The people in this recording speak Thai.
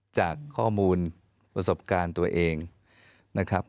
จากข้อมูลประสบการณ์ตัวเองนะครับ